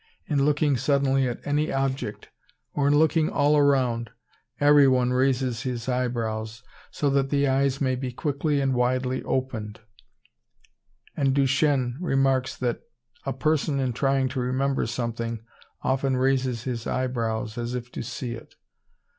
In looking suddenly at any object, or in looking all around, everyone raises his eyebrows, so that the eyes may be quickly and widely opened; and Duchenne remarks that a person in trying to remember something often raises his eyebrows, as if to see it.